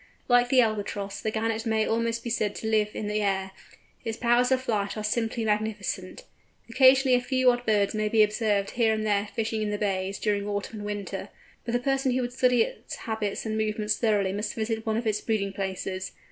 Like the Albatross, the Gannet may almost be said to live in the air. Its powers of flight are simply magnificent. Occasionally a few odd birds may be observed here and there fishing in the bays, during autumn and winter; but the person who would study its habits and movements thoroughly must visit one of its breeding places.